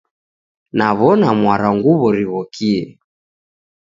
Naw'ona mwarwa nguw'o righokie